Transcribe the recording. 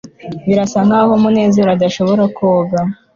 birasa nkaho munezero adashobora koga